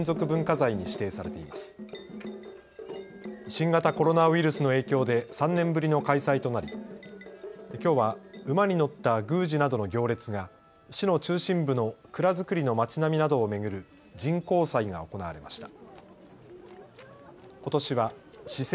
新型コロナウイルスの影響で３年ぶりの開催となりきょうは馬に乗った宮司などの行列が市の中心部の蔵造りの町並みなどを巡る神幸祭が行われました。